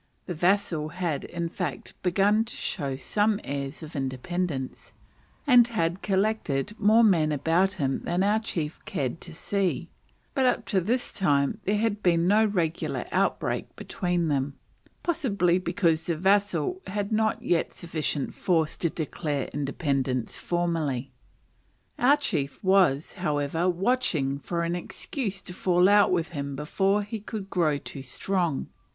The vassal had in fact begun to show some airs of independence, and had collected more men about him than our chief cared to see; but up to this time there had been no regular outbreak between them: possibly because the vassal had not yet sufficient force to declare independence formally. Our chief was, however, watching for an excuse to fall out with him before he should grow too strong.